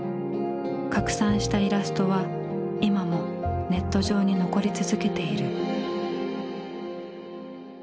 拡散したイラストは今もネット上に残り続けている。